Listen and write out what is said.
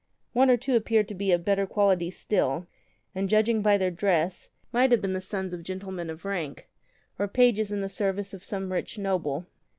One or two .appeared to be of better quality still. 38 and, judging by their dress, might have been the sons of gentlemen of rank, or pages in the service of some rich noble.